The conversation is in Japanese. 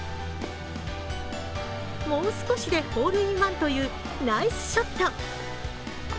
もう少しでホールインワンというナイスショット。